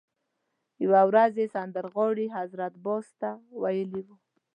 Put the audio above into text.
یوه ورځ یې سندرغاړي حضرت باز ته ویلي وو.